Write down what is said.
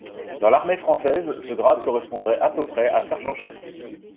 Dans l'armée française, ce grade correspondrait à peu près à un sergent chef.